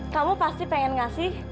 kamu pasti pengen ngasih